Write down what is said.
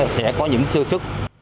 sẽ có những sưu sức